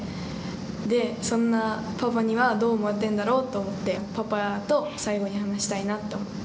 で、そんなパパにはどう思われているんだろうって思ってパパと最後に話したいなって思った。